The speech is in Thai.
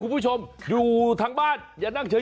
คุณผู้ชมอยู่ทางบ้านอย่านั่งเฉย